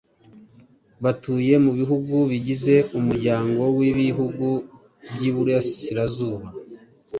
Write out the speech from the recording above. batuye mu Bihugu bigeze Umuryango w’Ibihugu by’Iburasirazuba